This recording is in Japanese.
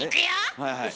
はいはい。